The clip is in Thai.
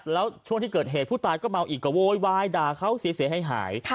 แล้วช่วงที่เกิดเหตุผู้ตายก็เมาอีกก็โวยวายด่าเขาเสียหาย